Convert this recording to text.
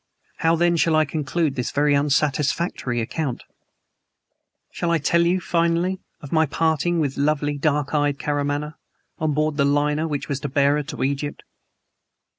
How, then, shall I conclude this very unsatisfactory account? Shall I tell you, finally, of my parting with lovely, dark eyed Karamaneh, on board the liner which was to bear her to Egypt?